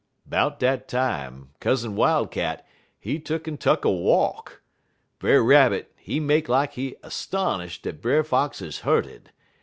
"'Bout dat time, Cousin Wildcat, he tuck'n tuck a walk. Brer Rabbit, he make lak he 'stonish' dat Brer Fox is hurted.